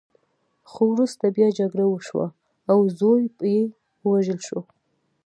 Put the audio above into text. خو وروسته بیا جګړه وشوه او زوی یې ووژل شو.